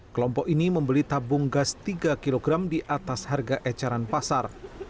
kelompok ini membeli tabung gas tiga kg di atas harga ecaran pasar